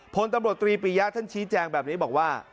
พลตำรวจตรีปียะท่านชี้แจงแบบนี้บอกว่า